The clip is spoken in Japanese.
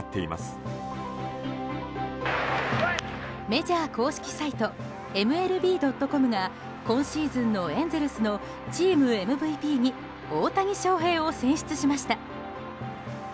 メジャー公式サイトＭＬＢ．ｃｏｍが今シーズンのエンゼルスのチームＭＶＰに大谷翔平を選出しました。